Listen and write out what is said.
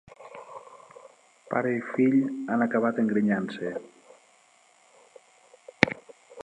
Pare i fill han acabat engrinyant-se.